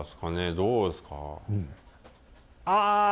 どうですか？